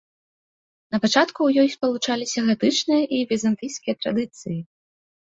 На пачатку ў ёй спалучаліся гатычныя і візантыйскія традыцыі.